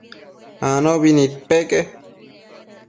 Anopi nidpeque